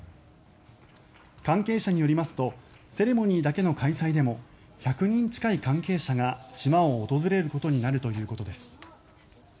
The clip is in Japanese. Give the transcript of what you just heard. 関係者によりますとセレモニーだけの開催でも１００人近い関係者が島を訪れることになるということです。